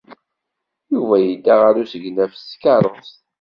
Yuba yedda ɣer usegnaf s tkeṛṛust.